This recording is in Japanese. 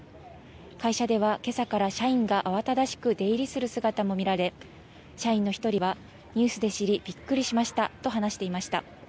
会社では、けさから社員が慌ただしく出入りする姿も見られ、社員の一人は、ニュースで知り、びっくりしましたと話していました。